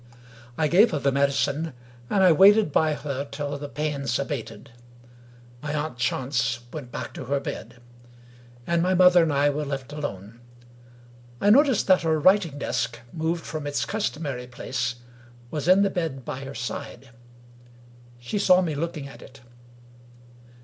I gave her the medicine; and I waited by her till the pains abated. My aunt Chance went back to her bed; and my mother and I were left alone. I noticed that her writing desk, moved from its customary place, was on the bed by her side. She saw me looking at it.